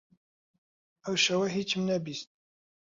ئەو شەوە هیچم نەبیست.